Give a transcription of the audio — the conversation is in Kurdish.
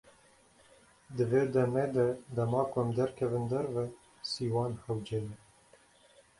Di vê demê de dema ku em derkevin derve, sîwan hewce ye.